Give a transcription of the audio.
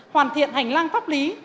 hoàn thiện hành lang pháp lý